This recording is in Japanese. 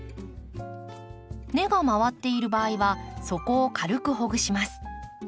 根が回っている場合は底を軽くほぐします。